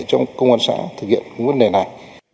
cho công an xã thực hiện vấn đề này